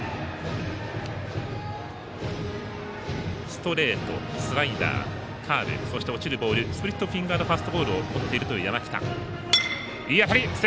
ストレート、スライダー、カーブそして落ちるボールスプリットフィンガーファストボールを持っているという山北。